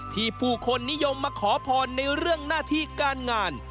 ผู้คนนิยมมาขอพรในเรื่องหน้าที่การงาน